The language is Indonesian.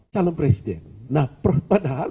calon presiden nah padahal